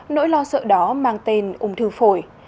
nỗi lo sợ đó mang tên ung thư phổi